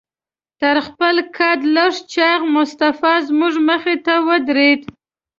تر خپل قد لږ چاغ مصطفی زموږ مخې ته ودرېد.